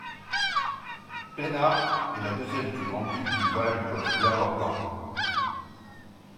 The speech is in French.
Penarth est la deuxième plus grande ville du Vale of Glamorgan.